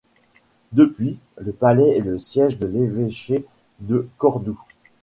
Depuis, le palais est le siège de l'évêché de Cordoue.